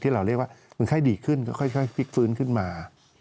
เราเรียกว่ามันค่อยดีขึ้นค่อยพลิกฟื้นขึ้นมา